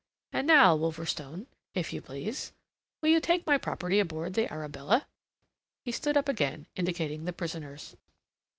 And now, Wolverstone, if you please, will you take my property aboard the Arabella?" He stood up again, indicating the prisoners.